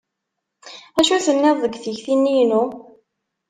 Acu tenniḍ deg tikti-nni-inu?